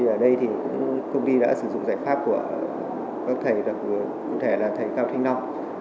ở đây công ty đã sử dụng giải pháp của các thầy đặc biệt là thầy cao thinh long